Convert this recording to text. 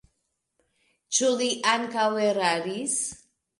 Ĉu li ankaŭ eraris?